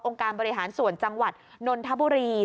การบริหารส่วนจังหวัดนนทบุรี